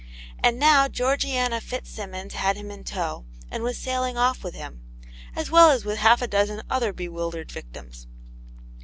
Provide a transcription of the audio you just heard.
And now Georgiana Fitzsimmons had him in tow, and was sailing off with him, as well as with half a dozen other bewildered victims.